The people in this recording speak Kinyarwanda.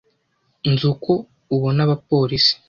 Nzi uko ubona abapolisi.